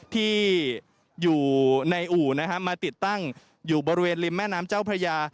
ที่อยู่ในอู่มาติดตั้งอยู่บริเวณริมแม่น้ำเจ้าพระยา